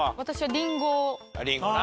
リンゴな。